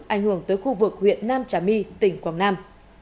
ảnh hưởng tới khu vực huyện nam trà my tỉnh quảng nam